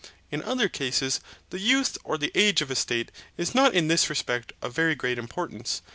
In other cases, the youth or the age of a state is not in this respect of very great importance.